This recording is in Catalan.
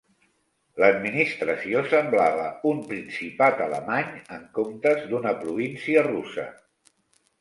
L"administració semblava un principat alemany, en comptes d"una província russa.